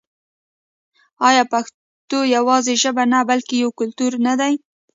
آیا پښتو یوازې ژبه نه بلکې یو کلتور نه دی؟